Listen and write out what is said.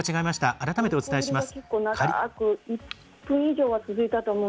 改めてお伝えします。